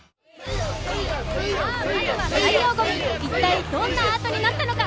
さあ、まずは海洋ごみ、一体、どんなアートになったのか。